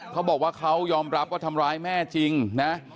เขาบอกว่าเขายอมรับว่าทำร้ายแม่จริงนะ